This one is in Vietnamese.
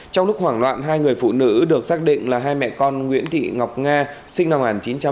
trong lúc hoảng loạn hai người phụ nữ được xác định là hai mẹ con nguyễn thị ngọc nga sinh năm một nghìn chín trăm tám mươi